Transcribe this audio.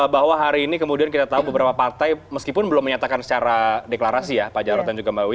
bahwa hari ini kemudian kita tahu beberapa partai meskipun belum menyatakan secara deklarasi ya pak jarod dan juga mbak wiwi